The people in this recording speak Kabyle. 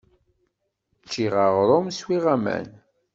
Ččiɣ aɣrum, swiɣ aman.